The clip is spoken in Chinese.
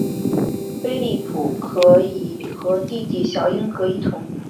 菲里普可能与弟弟小英格一同葬在瑞典东约特兰林雪坪的弗列达修道院内。